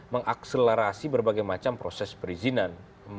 mengakselerasi berbagai macam proses perizinan